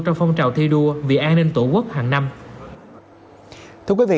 trong phong trào thi đua vì an ninh tổ quốc hàng năm